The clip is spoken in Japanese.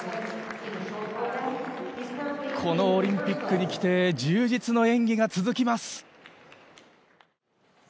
このオリンピックにきて充実の演技が続きます。